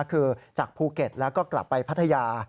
คือจากภูเก็ตแล้วก็กลับไปพัทยา